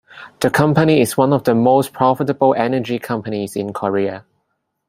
The company is one of the most profitable energy companies in Korea.